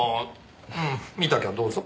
見たきゃどうぞ。